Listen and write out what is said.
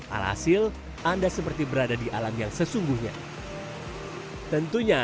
alhasil anda seperti berada di alam yang sesungguhnya